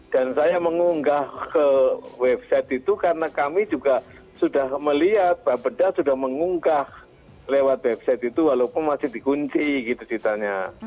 dan saya mengunggah ke website itu karena kami juga sudah melihat bapak beda sudah mengunggah lewat website itu walaupun masih di kunci gitu ceritanya